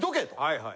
はいはい。